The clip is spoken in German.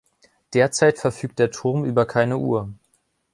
Derzeit verfügt der Turm über keine Uhr.